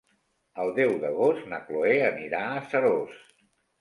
El deu d'agost na Chloé anirà a Seròs.